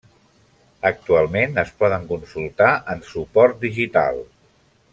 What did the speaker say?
Actualment es poden consultar en suport digital.